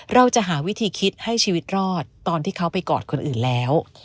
เราจะหาวิธีคิดให้ชีวิตรอดตอนที่เขาไปกอดคนอื่นแล้ว